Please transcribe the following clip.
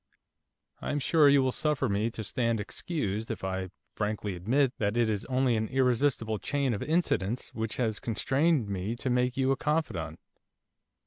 I am sure you will suffer me to stand excused if I frankly admit that it is only an irresistible chain of incidents which has constrained me to make of you a confidant.